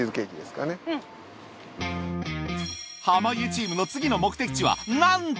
濱家チームの次の目的地はなんと！